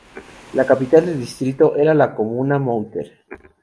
La capital del distrito era la comuna Moutier.